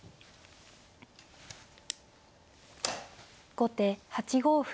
後手８五歩。